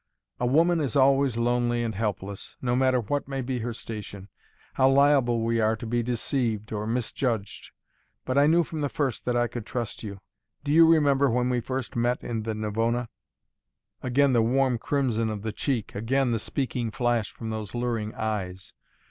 "A woman is always lonely and helpless no matter what may be her station. How liable we are to be deceived or misjudged. But I knew from the first that I could trust you. Do you remember when we first met in the Navona?" Again the warm crimson of the cheek, again the speaking flash from those luring eyes.